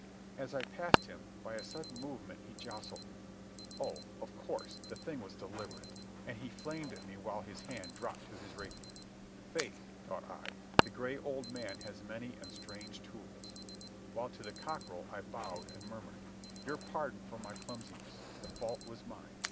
As I passed him by a sudden movement he jostled me. Oh, of course, the thing was deliberate. And he flamed at me while his hand dropped to his rapier. "Faith," thought I, "the gray old man has many and strange tools," while to the cockerel I bowed and murmured, "Your pardon for my clumsiness. The fault was mine.